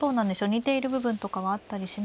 似ている部分とかはあったりしますか。